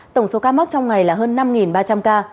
tổng số ca mắc trong ngày là hơn năm ba trăm linh ca